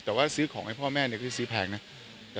แต่ว่าซื้อของให้พ่อแม่เนี่ยคือซื้อแพงนะ